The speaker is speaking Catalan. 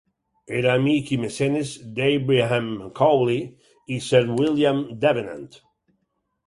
Era amic i mecenes d'Abraham Cowley i Sir William Davenant.